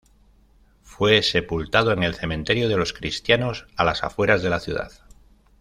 Fue sepultado en el cementerio de los cristianos, a las afueras de la ciudad.